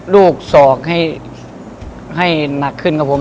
ลูกศอกให้หนักขึ้นครับผม